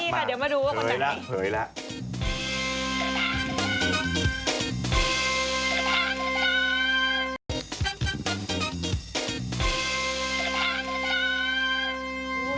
๑๐ปีค่ะเดี๋ยวมาดูกับคนจังนี้เผยแล้วเผยแล้ว